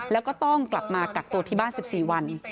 แล้วก็ต้องกลับมากักตัวที่บ้าน๑๔วัน